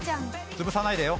「潰さないでよ！」